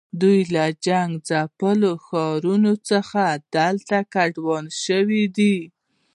دوی له جنګ ځپلو ښارونو څخه دلته کډوال شوي دي.